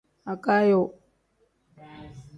Agaayo.